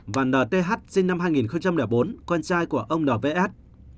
và nth sinh năm hai nghìn bốn con trai của ông nvs